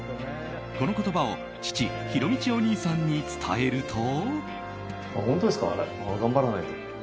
この言葉を父・ひろみちお兄さんに伝えると。